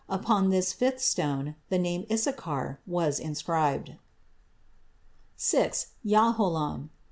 Upon this fifth stone the name Issachar was inscribed. VI. Yahalom.